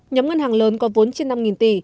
nhóm ngân hàng lớn có vốn trên năm tỷ